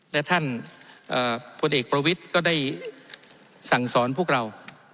และท่านพลเอกประวิทย์ก็ได้สั่งสอนพวกเรา